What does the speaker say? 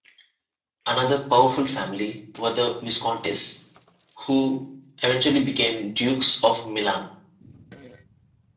Another powerful family were the Viscontis, who eventually became Dukes of Milan.